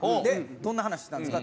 「どんな話したんですか？」